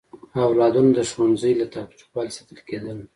اولادونه د ښوونځي له تاوتریخوالي ساتل کېدل.